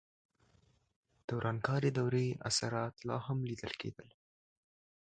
د ورانکارې دورې اثرات لا هم لیدل کېدل.